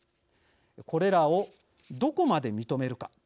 これらをどこまで認めるか。